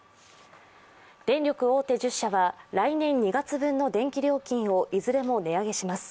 電力大手１０社は来年２月分の電気料金をいずれも値上げします。